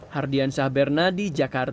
hardian syahberna di jakarta